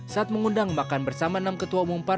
saat mengundang makan bersama enam ketua umum partai